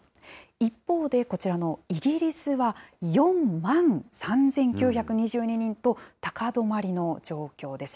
一方でこちらのイギリスは、４万３９２２人と、高止まりの状況です。